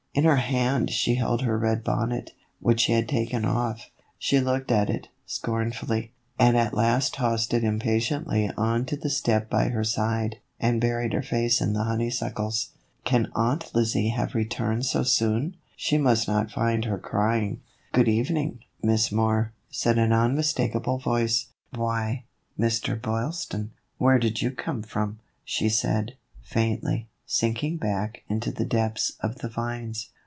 In her hand she held her red bonnet, which she had taken off ; she looked at it, scornfully, and at last tossed it impatiently on to the step by her side, and buried her face in the honeysuckles. Can Aunt Lizzie have returned so soon ? She must not find her crying. " Good evening, Miss Moore," said an unmistak able voice. " Why, Mr. Boylston, where did you come from ?" she said, faintly, sinking back into the depths of the vines.